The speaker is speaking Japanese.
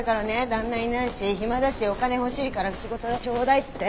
旦那いないし暇だしお金欲しいから仕事ちょうだいって。